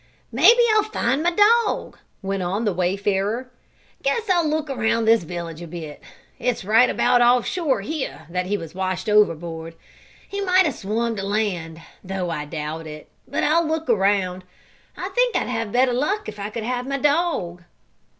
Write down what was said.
"Maybe I'll find my dog," went on the wayfarer. "Guess I'll look around this village a bit. It's right about off shore here that he was washed overboard. He might have swum to land, though I doubt it. But I'll look around. I think I'd have better luck if I could have my dog!"